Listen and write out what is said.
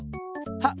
はっ！